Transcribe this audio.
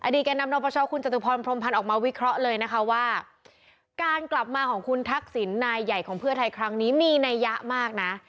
แก่นำนปชคุณจตุพรพรมพันธ์ออกมาวิเคราะห์เลยนะคะว่าการกลับมาของคุณทักษิณนายใหญ่ของเพื่อไทยครั้งนี้มีนัยยะมากนะ